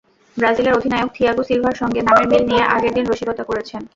ব্রাজিলের অধিনায়ক থিয়াগো সিলভার সঙ্গে নামের মিল নিয়ে আগের দিন রসিকতা করেছেন।